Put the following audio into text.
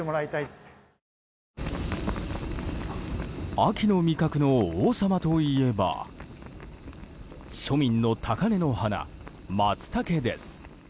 秋の味覚の王様といえば庶民の高嶺の花、マツタケです。